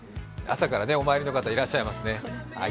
朝からお参りの方、いらっしゃいますね。